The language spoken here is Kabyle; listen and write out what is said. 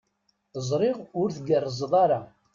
Ẓriɣ ur tgerrzeḍ ara.